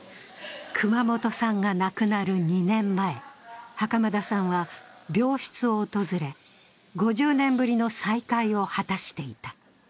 熊本産が亡くなる２年前、袴田さんは病室を訪れ、５０年ぶりの再会を果たしていた。